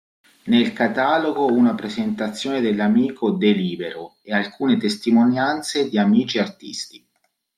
Nel catalogo una presentazione dell'amico De Libero e alcune testimonianze di amici artisti.